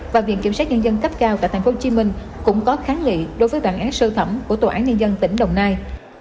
và viện kiểm sát nhân dân cấp cao tại tp hcm cũng có kháng nghị đối với bản án sơ thẩm của tòa án nhân dân tỉnh đồng nai